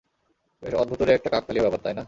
বেশ অদ্ভুতুড়ে একটা কাকতালীয় ব্যাপার, তাই না?